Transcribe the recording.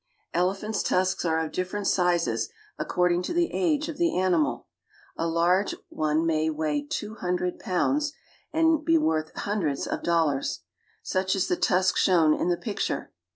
Elephants' tusks are fot different iording to the age of animal. A large : may weigh two fundred pounds and be 1 hundreds of dol Such is the tusk town in the picture.